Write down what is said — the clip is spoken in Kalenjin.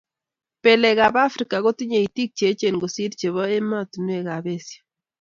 Belek tab Africa kotinye itik cheechen kosir chebo emotinwek kab Asia